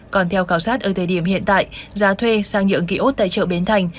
còn theo khảo sát ở thời điểm hiện tại giá thuê sang nhượng ký ốt tại chợ bến thành